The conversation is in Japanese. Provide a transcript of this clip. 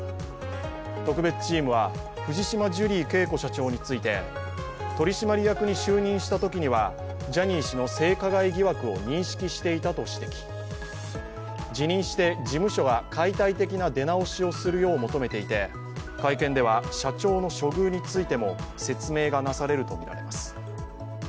特別チームは、藤島ジュリー景子社長について取締役に就任したときには、ジャニー氏の性加害疑惑を認識していたと指摘し辞任して事務所が解体的な出直しをするよう求めていて会見では社長の処遇についても説明がなされるとみられます。